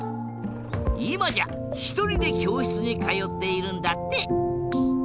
いまじゃひとりできょうしつにかよっているんだって。